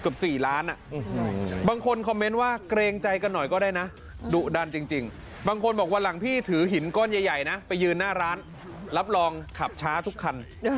บางคนคอมเมนต์ว่าเกรงใจกันหน่อยก็ได้นะดุดันจริงบางคนบอกวันหลังพี่ถือหินก้อนใหญ่นะไปยืนหน้าร้านรับรองขับช้าทุกคัน